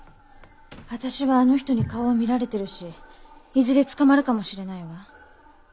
私はあの人に顔を見られてるしいずれ捕まるかもしれないわ。